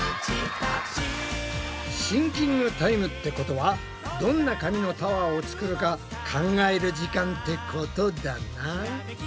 シンキングタイムってことはどんな紙のタワーを作るか考える時間ってことだな。